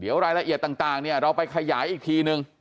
เดี๋ยวรายละเอียดต่างเนี่ยเราไปขยายอีกทีนึง